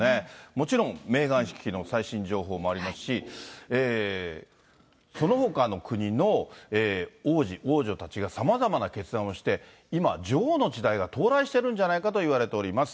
もちろんメーガン妃の最新情報もありますし、そのほかの国の王子、王女たちがさまざまな決断をして、今、女王の時代が到来してるんじゃないかといわれております。